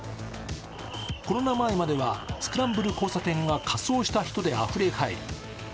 コロナ前まではスクランブル交差点が仮装した人であふれ返る。